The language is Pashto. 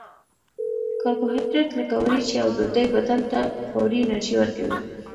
کاربوهایدریت لکه وریجې او ډوډۍ بدن ته فوري انرژي ورکوي